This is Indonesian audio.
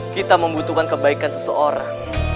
kita membutuhkan kebaikan seseorang